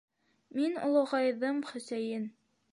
Мин олоғайҙым, Хөсәйен...